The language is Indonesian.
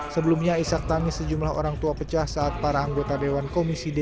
sebelumnya isak tangis sejumlah orang tua pecah saat para anggota dewan komisi d